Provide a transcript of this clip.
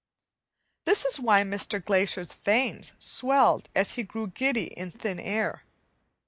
This is why Mr. Glaisher's veins swelled and he grew giddy in thin air.